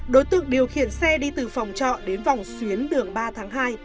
chín mươi nghìn hai trăm bốn mươi ba đối tượng điều khiển xe đi từ phòng trọ đến vòng xuyến đường ba tháng hai